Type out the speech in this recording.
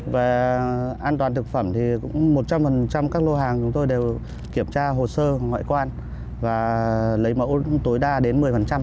về an toàn thực phẩm thì cũng một trăm linh các lô hàng chúng tôi đều kiểm tra hồ sơ ngoại quan và lấy mẫu tối đa đến một mươi